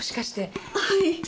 はい。